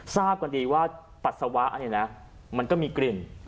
ทราบกันดีว่าปัสสาวะเนี่ยนะมันก็มีกลิ่น